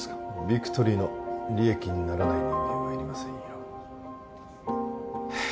ビクトリーの利益にならない人間はいりませんよは